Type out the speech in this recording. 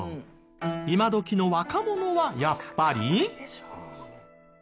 今どきの若者はやっぱり。